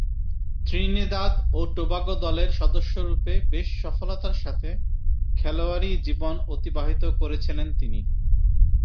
Trinidad ও Tobago দলের সদস্যরূপে বেশ সফলতার সাথে খেলোয়াড়ী জীবন অতিবাহিত করেছিলেন তিনি।